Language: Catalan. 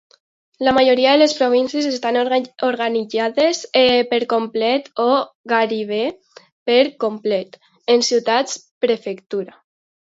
La majoria de les províncies estan organitzades, per complet o gairebé per complet, en ciutats-prefectura.